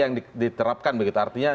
yang diterapkan begitu artinya